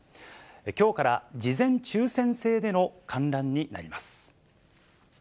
きょうから事前抽せん制での観覧になります。